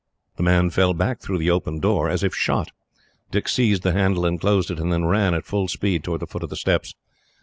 The man fell back through the open door, as if shot. Dick seized the handle and closed it, and then ran, at full speed, towards the foot of the steps.